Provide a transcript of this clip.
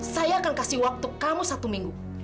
saya akan kasih waktu kamu satu minggu